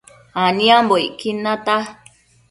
aniambocquid nata